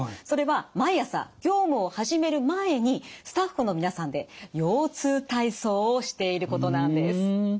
それは毎朝業務を始める前にスタッフの皆さんで腰痛体操をしていることなんです。